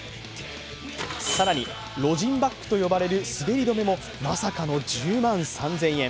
更に、ロジンバッグと呼ばれる滑り止めもまさかの１０万３０００円。